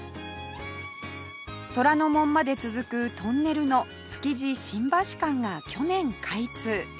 虎ノ門まで続くトンネルの築地・新橋間が去年開通